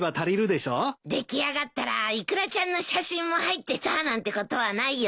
出来上がったらイクラちゃんの写真も入ってたなんてことはないよね？